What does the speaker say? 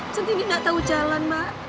sendiri nggak tahu jalan mbak